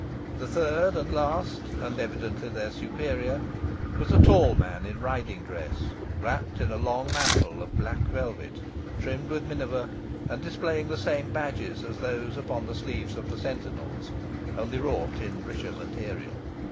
The third and last, and evidently their superior, was a tall man in a riding dress, wrapped in a long mantle of black velvet, trimmed with minever, and displaying the same badges as those upon the sleeves of the sentinels, only wrought in richer material.